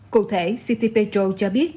cụ thể citi petro cho biết